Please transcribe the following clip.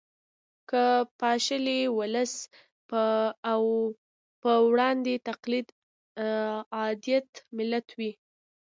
که پاشلی ولس او په ړوند تقلید عادت ملت یو